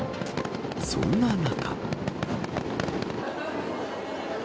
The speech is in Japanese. そんな中。